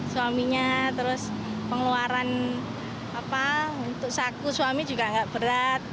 suaminya terus pengeluaran untuk saku suami juga agak berat